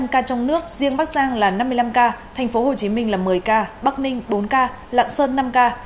bảy mươi năm ca trong nước riêng bắc giang là năm mươi năm ca thành phố hồ chí minh là một mươi ca bắc ninh bốn ca lạng sơn năm ca